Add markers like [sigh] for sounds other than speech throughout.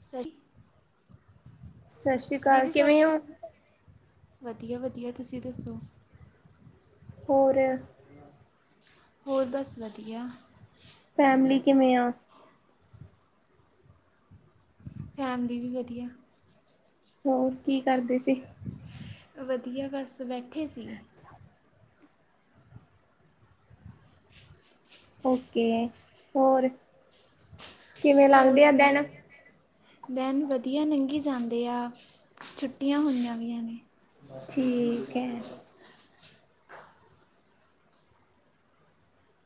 ਸਹੀ, ਸਤਿ ਸ਼੍ਰੀ ਅਕਾਲ ਦੀਦੀ ਸੱਸ ਕਿਵੇਂ ਹੋ ਵਧੀਆ- ਵਧੀਆ ਤੁਸੀਂ ਦੱਸੋ ਹੋਰ ਹੋਰ ਬਸ ਵਧੀਆ ਫੈਮਿਲੀ ਕਿਵੇਂ ਆ ਫੈਮਿਲੀ ਵੀ ਵਧੀਆ ਹੋਰ, ਕੀ ਕਰਦੇ ਸੀ ਵਧੀਆ ਬਸ, ਬੈਠੇ ਸੀ ਜਾਓ ਓਕੇ, ਹੋਰ, ਕਿਵੇਂ ਲੱਗਦੇ ਆ ਦਿਨ ਦਿਨ ਵਧੀਆ ਲੰਘੀ ਜਾਂਦੇ ਆ, ਛੁੱ ਛੁੱਟੀਆਂ ਹੋਈਆਂ ਵੀ ਨੇ ਠੀਕ ਹੈ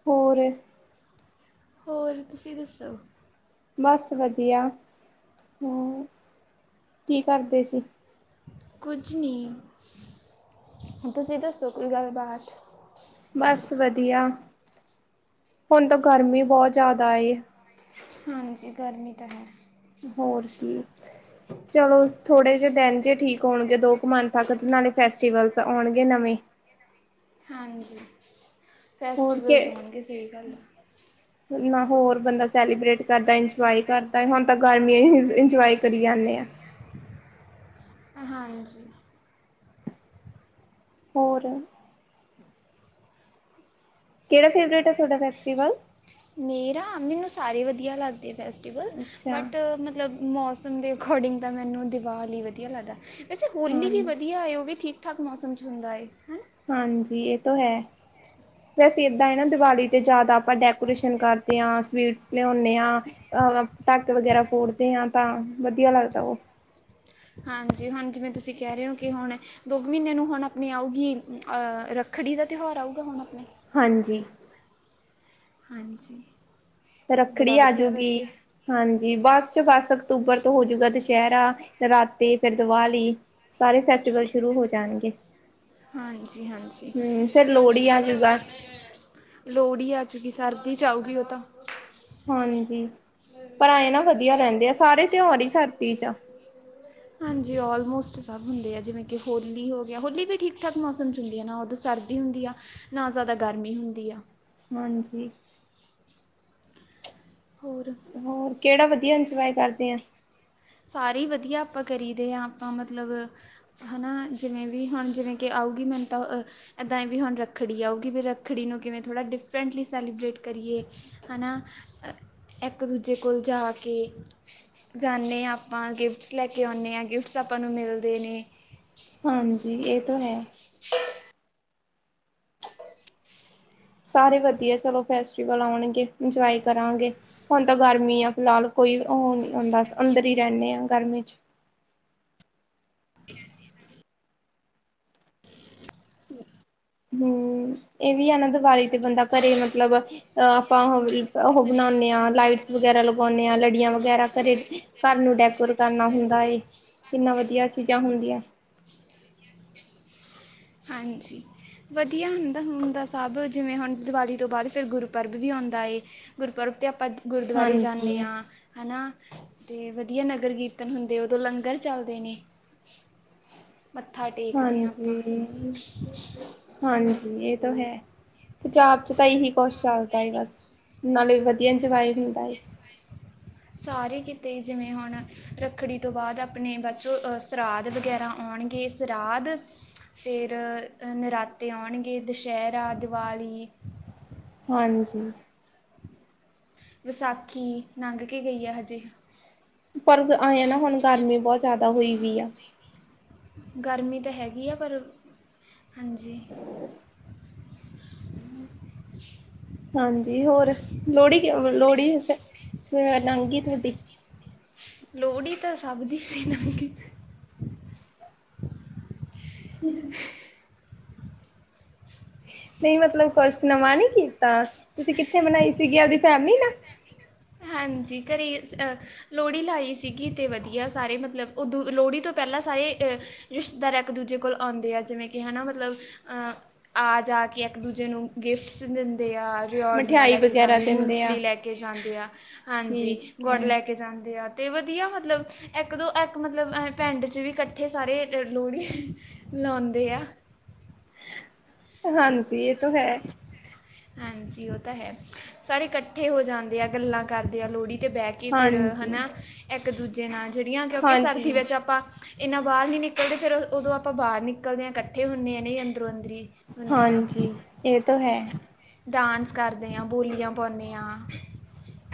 ਹੋਰ ਹੋਰ, ਤੁਸੀਂ ਦੱਸੋ ਬਸ ਵਧੀਆ, ਹੋਰ ਕੀ ਕਰਦੇ ਸੀ ਕੁਛ ਨੀ, ਤੁਸੀਂ ਦੱਸੋ ਕੋਈ ਗੱਲਬਾਤ? ਬਸ ਵਧੀਆ, ਹੁਨ ਤਾਂ ਗਰਮੀ ਬਹੁਤ ਜ਼ਿਆਦਾ ਏ। ਹਾਂਜੀ, ਗਰਮੀ ਤਾਂ ਹੈ। ਹੋਰ ਕੀ। ਚਲੋ ਥੋੜ੍ਹੇ ਜਿਹੇ ਦਿਨ ਜਹੇ ਠੀਕ ਹੋਣਗੇ, ਦੋ ਕੁ ਮੰਥ ਤੱਕ ਨਾਲੇ ਫੈਸਟੀਵਲਸ ਆਉਣਗੇ ਨਵੇਂ। ਹਾਂਜੀ ਹੋਰ ਫੈਸਟੀਵਲਸ ਕਿ ਹੋਣਗੇ ਸਹੀ ਗੱਲ ਆ। [inaudible] ਨਾ ਹੋਰ ਬੰਦਾ ਸੈਲੀਬ੍ਰੇਟ ਕਰਦਾ ਇੰਜੋਏ ਕਰਦਾ, ਹੁਣ ਤਾਂ ਗਰਮੀਆਂ ਇੰਜੋਏ ਕਰੀ ਜਾਂਦੇ ਆ। ਹਾਂਜੀ। ਹੋਰ। ਕੇੜਾ ਫੇਵਰੇਟ ਏ ਤੁਹਾਡਾ ਫੈਸਟੀਵਲ। ਮੇਰਾ ਮੈਨੂੰ ਸਾਰੇ ਵਧੀਆ ਲੱਗਦੇ ਫੈਸਟੀਵਲ, ਅੱਛਾ ਬਟ ਮਤਲਬ ਮੌਸਮ ਦੇ ਅਕੋਡਿੰਗ ਤਾਂ ਮੈਨੂੰ ਦਿਵਾਲੀ ਵਧੀਆ ਲੱਗਦਾ, ਵੈਸੇ ਹਾਂ ਹੋਲੀ ਵੀ ਵਧੀਆ ਹੈ ਉਹ ਵੀ ਠੀਕ ਮਿੱਠਾ ਕ ਮੌਸਮ 'ਚ ਹੁੰਦਾ ਏ ਹਮ ਹਾਂਜੀ, ਇਹ ਤਾਂ ਹੈ। ਫਿਰ ਅਸੀਂ ਐਦਾਂ ਹੀ ਨਾ ਦੀਵਾਲੀ 'ਤੇ ਜ਼ਿਆਦਾ ਆਪਾਂ ਡੈਕੋਰੇਸ਼ਨ ਕਰਦੇ ਆਂ, ਸਵੀਟਸ ਲਿਆਉਂਦੇ ਆਂ। ਅਹ ਪਟਾਕੇ ਵਗੈਰਾ ਫੋੜਦੇ ਆਂ, ਤਾਂ ਵਧੀਆ ਲੱਗਦਾ ਉਹ। ਹਾਂਜੀ ਹੁਣ ਜਿਵੇਂ ਤੁਸੀਂ ਕਹਿ ਰਹੇ ਹੋ ਕਿ ਹੁਨ ਦੋ ਕੁ ਮਹੀਨੇ ਨੂੰ ਹੁਨ ਆਪਣੀ ਆਊਗੀ, ਅ ਰੱਖੜੀ ਦਾ ਤਿਉਹਾਰ ਆਊਗਾ ਹੁਣ ਆਪਣੇ ਹਾਂਜੀ। ਹਾਂਜੀ। ਤੇ ਰੱਖੜੀ ਬੜਾ ਵਧੀਆ ਆਜੂਗੀ ਵੈਸੇ ਹਾਂਜੀ ਬਾਅਦ 'ਚੋ ਦਸ ਅਕਤੂਬਰ ਤੋਂ ਹੋਜੂਗਾ ਦੁਸਹਿਰਾ, ਨਰਾਤੇ ਫੇਰ ਦੀਵਾਲੀ ਸਾਰੇ ਫੈਸਟੀਵਲ ਸ਼ੁਰੂ ਹੋ ਜਾਣਗੇ। ਹਾਂਜੀ, ਹਾਂਜੀ। ਹਮ ਫੇਰ ਲੋਹੜੀ ਆਜੂਗਾ ਲੋਹੜੀ ਆ ਚੁੱਕੀ, ਸਰਦੀ 'ਚ ਆਊਗੀ ਉਹ ਤਾਂ ਹਾਂਜੀ, ਪਰ ਐੰ ਨਾ ਵਧੀਆ ਰਹਿੰਦੇ ਆ ਸਾਰੇ ਤਿਉਹਾਰ ਹੀ ਸਰਤੀ 'ਚ। ਹਾਂਜੀ ਆਲਮੋਸਟ ਸਭ ਹੁੰਦੇ ਆ ਜਿਵੇਂ ਕਿ ਹੋਲੀ ਹੋ ਗਿਆ ਹੋਲੀ ਵੀ ਠੀਕ, ਠਾਕ ਮੌਸਮ 'ਚ ਹੁੰਦੀ, ਨਾ ਉਦੋਂ ਸਰ ਸਰਦੀ ਹੁੰਦੀ ਆ, ਨਾ ਜ਼ਿਆਦਾ ਗਰਮੀ ਹੁੰਦੀ ਆ। ਹਾਂਜੀ। ਹੋਰ? ਹੋਰ ਕਿਹੜਾ ਵਧੀਆ ਇੰਜੋਏ ਕਰਦੇ ਆ। ਸਾਰੇ ਹੀ ਵਧੀਆ ਆਪਾਂ ਕਰੀਦੇ ਹਾਂ ਆਪਾਂ ਮਤਲਬ ਹਨਾ ਜਿਵੇਂ ਵੀ ਹੁਣ ਜਿਵੇਂ ਕਿ ਆਊਗੀ ਮੈਨੂੰ ਤਾਂ ਅ ਏਦਾਂ ਹੀ ਵੀ ਹੁਣ ਰ ਰੱਖੜੀ ਆਊਗੀ ਵੀ ਰੱਖੜੀ ਨੂੰ ਕਿਵੇਂ ਥੋੜ੍ਹਾ ਡਿਫਰੈਂਟਲੀ ਸੈਲੀਬਰੇੇਟ ਕਰੀਏ ਹੈ ਨਾ ਇੱਕ ਦੂਜੇ ਕੋਲ ਜਾ ਕੇ, ਜਾਂਨੇ ਹਾਂ ਆਪਾਂ ਗਿਫਟਸ ਲੈ ਕੇ ਆਉਂਨੇ ਹਾਂ ਗਿਫਟਸ ਆਪਾਂ ਨੂੰ ਮਿਲਦੇ ਨੇ ਹਾਂਜੀ ਇਹ ਤੋਂ ਹੈ। [inaudible] [inaudible] ਸਾਰੇ ਵਧੀਆ ਚਲੋ ਫੈਸਟੀਵਲ ਆਉਣਗੇ, ਇੰਜੋਏ ਕਰਾਂਗੇ। ਹੁਣ ਤਾਂ ਗਰਮੀ ਆ ਫਿਲਹਾਲ ਕੋਈ ਉ ਨਹੀਂ ਹੁੰਦਾ, ਅੰਦਰ ਹੀ ਰਹਿੰਨੇ ਆ ਗਰਮੀ ਚ ਹੁੰ, ਇਹ ਵੀ ਐ ਨਾ ਦੀਵਾਲੀ ਤੇ ਬੰਦਾ ਕਰੇ ਮਤਲਬ ਅ ਆਪਾਂ ਉਹ, ਉਹ ਬਣਾਉਦੇ ਆ ਲਾਈਟਸ ਵਗੈਰਾ ਲਗਾਉਂਨੇ ਆ ਲੜੀਆਂ ਵਗੈਰਾ ਕਰੇ ਕਰ ਨੂੰ ਡੈਕੋਰ ਕਰਨਾ ਹੁੰਦਾ ਕਿੰਨਾ ਵਧੀਆ ਚੀਜ਼ਾਂ ਹੁੰਦੀਆਂ। ਹਾਂਜੀ। ਵਧੀਆ ਹੁੰਦਾ, ਹੁੰਦਾ ਸਭ ਜਿਵੇਂ ਹੁਣ ਦੀਵਾਲੀ ਤੋਂ ਬਾਅਦ ਫੇਰ ਗੁਰਪਰਬ ਵੀ ਆਉਂਦਾ ਏ ਗੁਰਪਰਬ ਤੇ ਆਪਾਂ ਗੁਰਦੁਆਰੇ ਜਾਂਨੇ ਹਾਂਜੀ, ਆਂ, ਹੈ ਨਾ। ਤੇ ਵਧੀਆ ਨਗਰ ਕੀਰਤਨ ਹੁੰਦੇ, ਉਦੋਂ ਲੰਗਰ ਚੱਲਦੇ ਨੇ। ਮੱਥਾ ਟੇਕ ਹਾਂਜੀ, ਹਾਂਜੀ ਇਹ ਤੋਂ ਹੈ। ਪੰਜਾਬ ਚ ਤਾਂ ਇਹੀ ਕੁਛ ਚੱਲਦਾ ਏ ਬਸ, ਨਾਲੇ ਵਧੀਆ ਇੰਜਿਯ ਹੁੰਦਾ ਏ। ਸਾਰੇ ਕਿਤੇ ਜਿਵੇਂ ਹੁਣ ਰੱਖੜੀ ਤੋਂ ਬਾਅਦ ਆਪਣੇ ਬਾਚੋਂ ਸਰਾਧ ਵਗੈਰਾ ਆਉਣਗੇ ਸਰਾਦ ਫੇਰ ਨਰਾਤੇ ਆਉਣਗੇ ਦੁਸਹਿਰਾ, ਦਿਵਾਲੀ ਹਾਂਜੀ। ਵਿਸਾਖੀ ਲੰਘ ਕੇ ਗਈ ਆ ਹਜੇ ਪਰ ਆਏਂ ਨਾ ਹੁਣ ਗਰਮੀ ਬਹੁਤ ਜ਼ਿਆਦਾ ਹੋਈ ਵੀ ਆ। ਗਰਮੀ ਤਾਂ ਹੈਗੀ ਆ ਪਰ, ਹਾਂਜੀ। ਹਾਂਜੀ, ਹੋਰ ਲੋਹੜੀ [unintelligible] ਲੋਹੜੀੰ ਸੇ ਕਿਵੇਂ ਲਾਂਗ ਗੀ ਤੁਹਾਡੀ। ਲੋਹੜੀ ਤਾਂ ਸਭ ਦੀ ਸੇਮ [unintelligible] [unintelligible] ਨਹੀਂ ਮਤਲਬ ਕੁਛ ਨਵਾਂ ਨੀ ਕੀਤਾ, ਤੁਸੀਂ ਕਿੱਥੇ ਮਨਾਈ ਸੀਗੀ ਆਪਦੀ ਫੈਮਿਲੀ ਨਾਲ? ਹਾਂਜੀ, ਕਰੇ ਅ ਲੋਹੜੀ ਲਾਈ ਸੀਗੀ ਤੇ ਵਧੀਆ ਸਾਰੇ ਮਤਲਬ ਉਦੋ ਲੋਹੜੀ ਤੋਂ ਪਹਿਲਾਂ ਸਾਰੇ ਅ ਰਿਸ਼ਤੇਦਾਰ ਇੱਕ ਦੂਜੇ ਕੋਲ ਆਉਂਦੇ ਆ ਜਿਵੇਂ ਕਿ ਹਨਾ ਮਤਲਬ ਅਹ ਆ ਜਾ ਕੇ ਇੱਕ ਦੂਜੇ ਨੂੰ ਗਿਫਟਸ ਦਿੰਦੇ ਆ ਰਿਓੜੀਆਂ ਮਠਿਆਈ ਲੈ ਕੇ ਵਗੈਰਾ ਜਾਂਦੇ ਦਿੰਦੇ ਆ ਮੂੰਫਲੀ ਲੈ ਕੇ ਕੇ ਜਾਂਦੇ ਆ, ਹਾਂਜੀ ਠੀਕ ਗੁੜ ਲੈ ਹੈ। ਕੇ ਜਾਂਦੇ ਆ ਤੇ ਵਧੀਆ ਮਤਲਬ ਇੱਕ ਦੋ ਇੱਕ ਮਤਲਬ ਪਿੰਡ ਚ ਵੀ ਕੱਟ ਠੇ ਸਾਰੇ ਲੋਹੜੀ ਲਉਂਦੇ ਆ। ਹਾਂਜੀ, ਇਹ ਤੋਂ ਹੈ। ਹਾਂਜੀ ਉਹ ਤਾਂ ਹੈ, ਸਾਰੇ ਕੱਠੇ ਹੋ ਜਾਂਦੇ ਆ ਗੱਲਾਂ ਕਰਦੇ ਆ ਲੋਹੜੀ ਤੇ ਬੇ ਕੇ ਫੇਰ ਹੈ ਹਾਂਜੀ, ਨਾ ਇੱਕ ਦੂਜੇ ਨਾਲ ਜਿਹੜੀਆਂ ਕਿਉਂਕਿ ਸਰਦੀ ਹਾਂਜੀ। ਵਿੱਚ ਆਪਾਂ ਇੰਨਾ ਬਾਰ ਨਹੀਂ ਨਿਕਲਦੇ ਫੇਰ ਉਦੋਂ ਆਪਾਂ ਬਾਰ ਨਿਕਲਦੇ ਹਾਂ ਕੱਠੇ ਹੁੰਨੇ ਹਾਂ ਨਹੀਂ ਅੰਦਰੋਂ ਅੰਦਰੀ। ਹੁੰਨੇ ਆ ਹਾਂਜੀ, ਏਅ ਤੋ ਹੈ। ਡਾਂਸ ਕਰਦੇ ਆ, ਬੋਲੀਆਂ ਪਾਉਂਂਨੇ ਆ।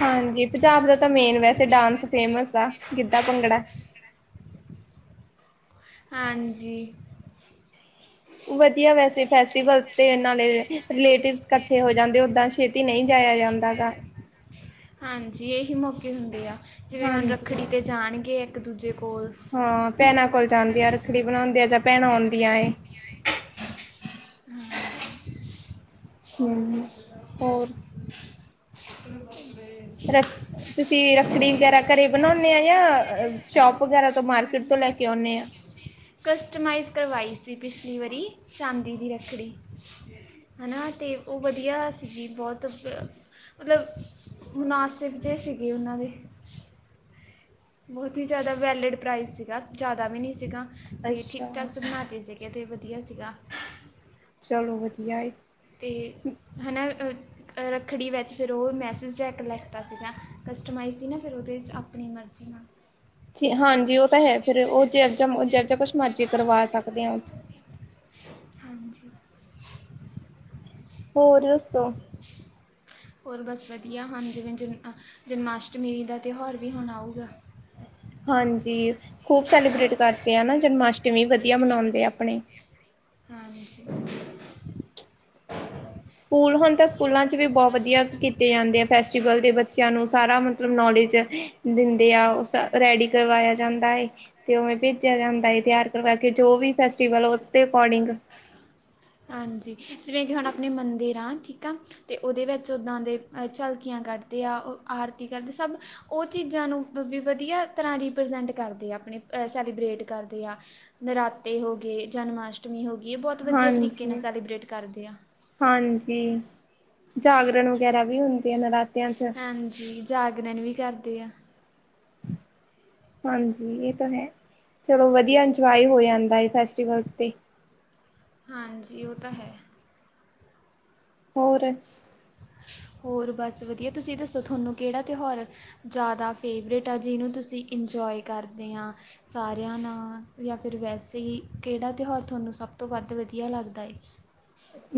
ਹਾਂਜੀ, ਪੰਜਾਬ ਦਾ ਤਾਂ ਮੇਨ ਵੈਸੇ ਡਾਂਸ ਫੇਮਸ ਆ ਗਿੱਧਾ, ਭੰਗੜਾ। ਹਾਂਜੀ। ਵਦੀਆ, ਵੈਸੇ ਫੈਸਟੀਵਲਸ 'ਤੇ ਇਨਾਂ ਨੇ ਰਿਲੇਟਿਵਸ ਕੱਠੇ ਹੋ ਜਾਂਦੇ, ਓਦਾਂ 'ਚ। ਛੇਤੀ ਨਈਂ ਜਾਇਆ ਜਾਂਦਾ ਘਰ ਹਾਂਜੀ, ਏਹੀ ਮੌਕੇ ਹੁੰਦੇ ਆ। ਜਿਵੇਂ ਹੁਨ ਹਾਂਜੀ ਰੱਖੜੀ ਤੇ ਜਾਨਗੇ ਇੱਕ ਦੂਜੇ ਕੋਲ ਰੱਖ਼ੜੀ ਬਨਾਂਦੇ ਆ ਜਾ ਭੈਣਾਂ ਆਂਉਦੀਆ ਏ। ਹੂੰ, ਹੋਰ? ਓਹ, ਰ ਸਵੇਰੇ। ਤੁਸੀਂ ਰੱਖੜੀ ਵਗੈਰਾ ਘਰੇ ਬਨਾਉਨੇ ਆ, ਯਾ ਸ਼ੋਪ ਵਗੈਰਾ ਤਾਂ ਮਾਰਕੀਟ ਤੋਂ ਲੈ ਕੇ ਆਉਨੇ ਆ। ਕਸਟਮਾਈਜ਼ ਕਰਵਾਈ ਸੀ ਪਿਛਲੀ ਵਾਰੀ, ਚਾਂਦੀ ਦੀ ਰੱਖੜੀ। ਹਨਾ, 'ਤੇ ਉਹ ਵਦੀਆ ਸੀਗੀ ਬੋਤ ਬ। ਮਤਲਬ, ਮੁਨਾਸਿਬ ਜੇਏ ਸੀਗੇ ਉਨਾਂ ਦੇ। ਬੋਤ ਈ ਜਾਦਾ ਵੈਲਿਡ ਪ੍ਰਾਈਜ਼ ਸੀਗਾ, ਜਾਦਾ ਵੀ ਨੀ ਸੀਗਾ। 'ਤੇ ਅੱਛਾ ਠੀਕ ਠਾਕ ਬਨਾਂਤੇ ਸੀਗੇ, 'ਤੇ ਵਦੀਆ ਸੀਗਾ। ਚਲੋ, ਵਦੀਆ ਏ। 'ਤੇ, ਹਨਾ ਅ ਰੱਖੜੀ ਵਿੱਚ ਫਿਰ ਉਹ ਮੈਸਿਜ ਜਾ ਕੇ ਲਿਖਤਾ ਸੀਗਾ, ਕਸਟਮਾਈਜ਼ ਸੀ ਨਾ, ਫਿਰ ਓਦੇ 'ਚ ਆਪਨੀ ਮਰਜ਼ੀ ਨਾਲ ਜੀ ਹਾਂਜੀ ਉਹ ਤਾਂ ਹੈ, ਫਿਰ ਉਹ ਜੇਆ ਜਮ ਜਾ ਕੇ ਕੁਛ ਮਰਜ਼ੀ ਕਰਵਾ ਸਕਦੇ ਆ। [unintelligible] ਹਾਂਜੀ ਹੋਰ ਦੱਸੋ? ਹੋਰ ਬਸ ਵਦੀਆ ਹਾਂ ਜਿਵੇਂ- ਜਿਵੇਂ ਅਹ, ਜਨਮ ਆਸ਼ਟਮੀ ਦਾ ਤਿਉਹਾਰ ਵੀ ਹੁਨ ਆਊਗਾ। ਹਾਂਜੀ, ਖੂਬ ਸੈਲੀਬ੍ਰੇਟ ਕਰਦੇ ਆ ਨਾ ਜਨਮ ਆਸ਼ਟਮੀ, ਵਦੀਆ ਮਨਾਂਉਦੇ ਆਪਨੇ। ਹਾਂਜੀ। ਹੂੰ। [inaudible] ਹਾਂ। [unintelligible] ਸਕੂਲ ਹੁਨ ਤਾਂ ਸਕੂਲਾਂ 'ਚ ਵੀ ਬੋਤ ਵਦੀਆ ਕੀਤੇ ਜਾਂਦੇ ਆ ਫੈਸਟੀਵਲ ਦੇ, ਬੱਚਿਆਂ ਨੂੰ ਸਾਰਾ ਮਤਲਬ ਨੌਲੇਜ ਐ। ਦਿੰਦੇ ਆ, ਉਹ ਸ ਰੈਡੀ ਕਰਵਾਇਆ ਜਾਂਦਾ ਏ। ਤੇ ਉਵੇਂ ਭੇਜਿਆ ਜਾਂਦਾ ਏ, ਤਿਆਰ ਕਰਵਾ ਕੇ ਜੋ ਵੀ ਫੈਸਟੀਵਲ ਉਸਦੇ ਅਕੋਰਡਿੰਗ। ਹਾਂਜੀ, ਜਿਵੇਂ ਕਿ ਹੁਨ ਆਪਨੇ ਮੰਦਿਰ ਹਾਂ। ਠੀਕ ਆ, ਅਤੇ ਓਦੇ ਵਿੱਚ ਉੱਦਾਂ ਦੇ ਅਹ ਝਲਕੀਆਂ ਕੱਢਦੇ ਆ, ਉਹ ਆਰਤੀ ਕਰਦੇ, ਸਭ ਓ ਚੀਜ਼ਾਂ ਨੂੰ ਵੀ ਵਦੀਆ ਤਰ੍ਹਾਂ ਰੀਪ੍ਰਜੈਂਟ ਕਰਦੇ ਆ, ਆਪਨੇ ਸੈਲੀਬ੍ਰਟ ਕਰਦੇ ਆ, ਨਰਾਤੇ ਹੋ ਗਏ ਜਨਮ ਆਸ਼ਟਮੀ। ਅਸ਼ਟਮੀ ਹੋ ਗਈ, ਏਅ ਬੋਤ ਵਦੀਆ ਤਰੀਕੇ ਨਾਲ ਹਾਂਜੀ ਸੈਲੀਬ੍ਰੇਟ ਕਰਦੇ ਆ। ਹਾਂਜੀ, ਜਾਗਰਨ ਵਗੈਰਾ ਵੀ ਹੁੰਦੇ ਆ ਨਰਾਤਿਆਂ 'ਚ। ਹਾਂਜੀ, ਜਾਗਰਨ ਵੀ ਕਰਦੇ ਆ। ਹਾਂਜੀ, ਇਹ ਤਾਂ ਹੈ। ਚਲੋ, ਵਦੀਆ ਇੰਜੋਏ ਹੋ ਜਾਂਦਾ ਏ ਫੈਸਟੀਵਲਸ 'ਤੇ। ਹਾਂਜੀ, ਉਹ ਤਾਂ ਹੈ। ਹੋਰ। ਹੋਰ ਬਸ ਵਦੀਆ। ਤੁਸੀਂ ਦੱਸੋ, ਥਾਨੂੰ ਕੇੜਾ ਤੇਉਹਾਰ? ਜਾਦਾ ਫੇਵਰੇਟ ਆ, ਜਿਨੂੰ ਤੁਸੀਂ ਇੰਜੋਏ ਕਰਦੇ ਆ। ਸਾਰਿਆਂ ਨਾਲ ਯਾ ਫਿਰ ਵੈਸੇ ਈ, ਕੇੜਾ ਤੇਉਹਾਰ ਤੁਹਾਨੂੰ ਸਭ ਤੋਂ ਵੱਦ ਵਦੀਆ ਲੱਗਦਾ ਏ?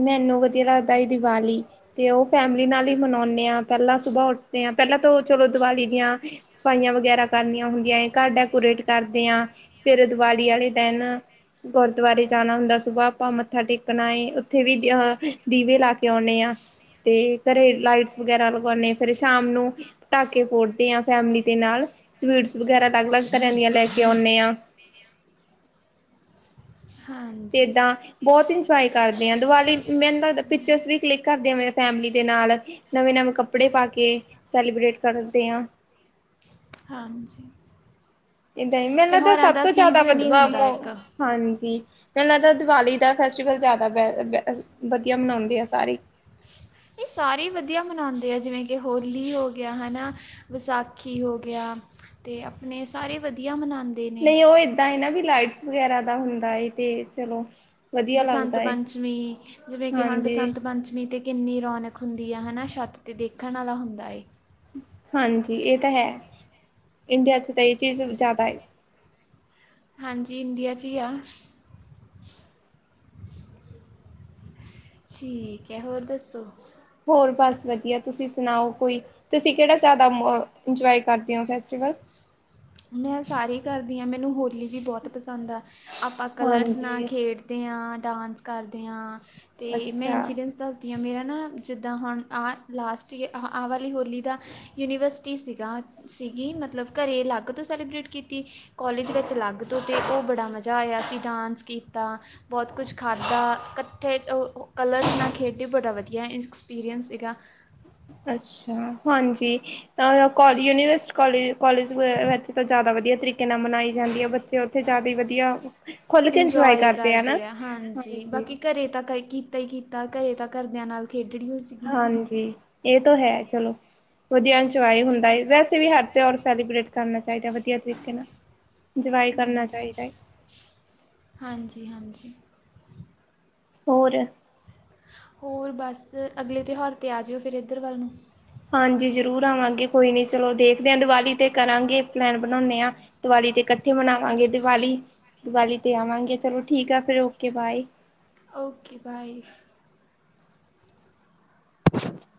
ਮੈਨੂੰ ਵਧੀਆ ਲੱਗਦਾ ਸੀ ਦੀਵਾਲੀ। ਤੇ ਉਹ ਫੈਮਿਲੀ ਨਾਲ ਹੀ ਮਨੋਣੇ ਆਂ, ਪਹਿਲਾਂ ਸੁਬਾਹ ਉੱਠਦੇ ਹਾਂ, ਪਹਿਲਾਂ ਤਾਂ ਚਲੋ ਦੀਵਾਲੀ ਦੀਆਂ ਸਫਾਈਆਂ ਵਗੈਰਾ ਕਰਨੀਆਂ ਹੁੰਦੀਆਂ, ਘਰ ਡੈਕੋਰੇਟ ਕਰਦੇ ਆ, ਫੇਰ ਦੀਵਾਲੀ ਆਲੇ ਦਿਨ ਗੁਰਦੁਆਰੇ ਜਾਣਾ ਹੁੰਦਾ, ਸੁਬਾਹ ਆਪਾਂ ਮੱਥਾ ਟੇਕਣਾ ਏ। ਉੱਥੇ ਵੀ ਦੀਵੇ ਲਾ ਕੇ ਆਉਣੇ ਆ। ਤੇ ਘਰੇ ਲਾਈਟਸ ਵਗੈਰਾ ਲਗੋਣੇ, ਫਿਰ ਸ਼ਾਮ ਨੂੰ ਪਟਾਕੇ ਫੋੜਦੇ ਆ ਫੈਮਲੀ ਦੇ ਨਾਲ, ਸਵੀਟਸ ਵਗੈਰਾ ਅਲੱਗ-ਅਲੱਗ ਤਰ੍ਹਾਂ ਦੀਆਂ ਲੈਕੇ ਆਉਣੇ ਆ। ਤੇ ਹਾਂਜੀ ਏਦਾਂ ਬਹੁਤ ਇੰਜੋਏ ਕਰਦੇ ਹਾਂ, ਦੀਵਾਲੀ ਮੈਨੂੰ ਪਿਕਚਰ ਵੀ ਕਲਿੱਕ ਕਰਦੇ ਆ। ਫੈਮਲੀ ਦੇ ਨਾਲ, ਨਵੇਂ-ਨਵੇਂ ਕੱਪੜੇ ਪਾ ਕੇ ਸੈਲੀਬ੍ਰੇਟ ਕਰਦੇ ਆ। ਹਾਂਜੀ। ਏਦਾਂ ਹੀ ਮੈਨੂੰ ਲਗਦਾ ਤਿਉਹਾਰਾਂ ਸਭ ਦਾ ਤੋਂ ਜ਼ਿਆਦਾ ਸੀਜ਼ਨ ਹੀ ਹੁੰਦਾ ਇੱਕ ਹਾਂਜੀ, ਮੈਨੂੰ ਲੱਗਦਾ ਦਿਵਾਲੀ ਦਾ ਫੈਸਟੀਵਲ ਜ਼ਿਆਦਾ ਬੈ ਵਧੀਆ ਮਨਾਉਂਦੇ ਆ ਸਾਰੇ। ਇਹ ਸਾਰੇ ਹੀ ਵਧੀਆ ਮਨਾਉਂਦੇ ਆ, ਜਿਵੇਂ ਕਿ ਹੋਲੀ ਹੋ ਗਿਆ ਹਨਾ ਵਿਸਾਖੀ। ਸਾਖੀ ਹੋ ਗਿਆ, ਤੇ ਆਪਣੇ ਸਾਰੇ ਵਧੀਆ ਮਨਾਉਂਦੇ ਨੇ ਨਹੀਂ ਉਹ ਏਦਾਂ ਏ ਨਾ ਵੀ ਲਾਈਟਸ ਵਗੈਰਾ ਦਾ ਹੁੰਦਾ ਹੈ ਏ ਤੇ, ਚਲੋ। ਵਧੀਆ ਬਸੰਤ ਲੱਗਦਾ ਏ ਪੰਚਮੀ, ਜਿਵੇਂ ਕਿ ਹੁਣ ਬਸੰਤ ਹਾਂਜੀ-ਹਾਂਜੀ ਪੰਚਮੀ ਤੇ ਕਿੰਨੀ ਰੌਣਕ ਹੁੰਦੀ ਆ ਹਨਾ, ਛੱਤ 'ਤੇ ਦੇਖਣ ਆਲਾ ਹੁੰਦਾ ਏ। ਹਾਂਜੀ, ਇਹ ਤਾਂ ਹੈ, ਇੰਡੀਆ'ਚ ਤਾਂ ਇਹ ਚੀਜ਼ ਜ਼ਿਆਦਾ ਏ। ਹਾਂਜੀ, ਇੰਡੀਆ'ਚ ਹੀ ਆ। ਠੀਕ ਹੈ, ਹੋਰ ਦੱਸੋ। ਹੋਰ ਬਸ ਵਧੀਆ, ਤੁਸੀਂ ਸੁਣਾਓ ਕੋਈ। ਤੁਸੀਂ ਕਿਹੜਾ ਜ਼ਿਆਦਾ ਇੰਜੋਏ ਕਰਦੇ ਹੋ, ਫੈਸਟੀਵਲ। ਮੈਂ ਸਾਰੇ ਹੀ ਕਰਦੀ ਹਾਂ, ਮੈਨੂੰ ਹੋਲੀ ਵੀ ਬੋਹਤ ਪਸੰਦ ਆ, ਆਪਾਂ ਕਲਰਸ ਨਾਲ ਹਾਂਜੀ ਖੇਡ ਹਾਂ, ਡਾਂਸ ਕਰਦੇ ਹਾਂ, ਤੇ ਮੈਂ ਅੱਛਾ ਇੰਸੀਡੈਂਸ ਦੱਸ ਦੀਆਂ, ਮੇਰਾ ਨਾ ਜਿੱਦਾਂ ਹੁਣ ਆ ਲਾਸਟ ਈਅਰ, ਆ ਵਾਲੀ ਹੋਲੀ ਦਾ ਯੂਨੀਵਰਸਿਟੀ ਸੀਗਾ। ਸੀਗੀ ਮਤਲਬ, ਘਰੇ ਅਲੱਗ ਤੋਂ ਸੈਲੀਬ੍ਰੇਟ ਕੀਤੀ। ਕੋਲੇਜ਼ ਵਿੱਚ ਅਲੱਗ ਤੋਂ, ਤੇ ਉਹ ਬੜਾ ਮਜ਼ਾ ਆਇਆ ਸੀ, ਡਾਂਸ ਕੀਤਾ। ਬਹੁਤ ਕੁਛ ਖਾਧਾ, ਇਕੱਠੇ ਕਲਰਸ ਨਾ ਖੇਡੇ, ਬੜਾ ਵਧੀਆ ਐਕਸਪੀਰੀਅੰਸ ਸੀਗਾ। ਅੱਛਾ ਹਾਂਜੀ, ਕੋ ਯੂਨੀਵਰਸਿਟੀ, ਕੋਲਜ-ਕੋਲਜ ਵਿੱਚ ਤਾਂ ਜ਼ਿਆਦਾ ਵਧੀਆ ਤਰੀਕੇ ਨਾਲ ਮਨਾਈ ਜਾਂਦੀ ਹੈ, ਬੱਚੇ ਉੱਥੇ ਜਿਆਦਾ ਹੀ ਵਧੀਆ। ਇੰਜੋਏ ਕਰਦੇ ਆ। ਹਾਂਜੀ, ਬਾਕੀ ਘਰੇ ਤਾਂ ਤਾਂ ਹੀ ਕੀਤਾ, ਘਰੇ ਤਾਂ ਘਰਦਿਆਂ ਨਾਲ ਖੇਡਣੀ ਸੀਗੀ ਹਾਂਜੀ, ਇਹ ਤਾਂ ਹੈ ਚਲੋ, ਵਧੀਆ ਇੰਜੋਏ ਹੁੰਦਾ ਏ ਵੈਸੇ ਵੀ ਹਰ ਤਿਉਹਾਰ ਸੈਲੀਬਰੇਟ ਕਰਨਾ ਚਾਹੀਦਾ, ਵਧੀਆ ਤਰੀਕੇ ਨਾਲ ਇੰਜੋਏ ਕਰਨਾ ਹਾਂਜੀ। ਚਾਹੀਦਾ ਹੈ ਹਾਂਜੀ, ਹਾਂਜੀ ਹੋਰ ਹੋਰ ਬਸ, ਅਗਲੇ ਤਿਉਹਾਰ'ਤੇ ਆ ਜਿਓ, ਫਿਰ ਇੱਧਰ ਵੱਲ ਨੂੰ ਹਾਂਜੀ, ਜ਼ਰੂਰ ਆਵਾਂਗੇ, ਕੋਈ ਨੀ। ਚਲੋ ਦੇਖਦੇ ਹਾਂ, ਦੀਵਾਲੀ ਤੇ ਕਰਾਂਗੇ, ਪਲੈਨ ਬਣਾਉਣੇ ਹਾਂ ਦੀਵਾਲੀ'ਤੇ ਇਕੱਠੇ ਮਨਾਵਾਂਗੇ। ਦੀਵਾਲੀ-ਦੀਵਾਲੀ'ਤੇ ਆਵਾਂਗੇ, ਚਲੋ ਠੀਕ ਆ, ਫਿਰ ਓਕੇ ਬਾਏ ਓਕੇ ਬਾਏ [inaudible]